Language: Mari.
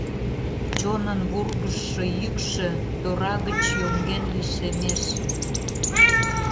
Чонын вургыжшо йӱкшӧ Тора гыч йоҥген лишемеш.